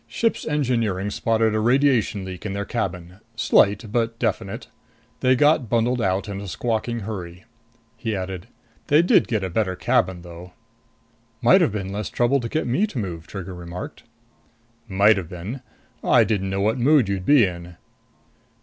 "Ship's Engineering spotted a radiation leak in their cabin. Slight but definite. They got bundled out in a squawking hurry." He added, "They did get a better cabin though." "Might have been less trouble to get me to move," Trigger remarked. "Might have been. I didn't know what mood you'd be in."